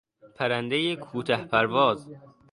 پرندهی کوته پرواز